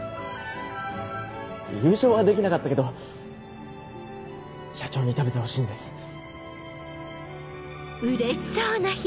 優勝はできなかったけど社長に食べてほしいんです。